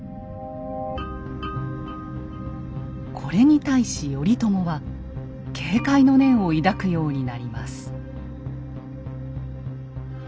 これに対し頼朝は警戒の念を抱くようになります。